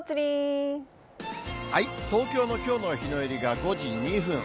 東京のきょうの日の入りが５時２分。